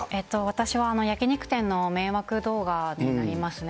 私は焼き肉店の迷惑動画になりますね。